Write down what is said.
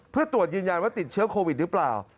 เพื่อตรวจยืนยันว่าติดเชื้อโควิดหรือเปล่า